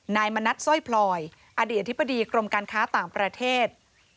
มณัฐสร้อยพลอยอดีตอธิบดีกรมการค้าต่างประเทศ